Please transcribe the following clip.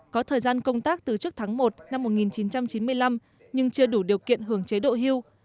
có thời gian công tác từ trước tháng một năm một nghìn chín trăm chín mươi năm nhưng chưa đủ điều kiện hưởng chế độ hưu